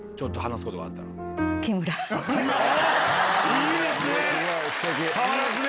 いいですね！